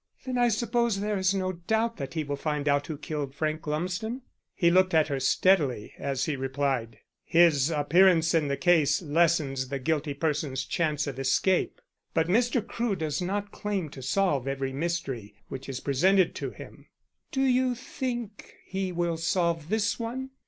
"Then I suppose there is no doubt that he will find out who killed Frank Lumsden?" He looked at her steadily as he replied: "His appearance in the case lessens the guilty person's chance of escape. But Mr. Crewe does not claim to solve every mystery which is presented to him." "Do you think he will solve this one?"